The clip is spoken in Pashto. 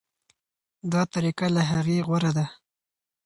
دا طریقه له هغې غوره ده.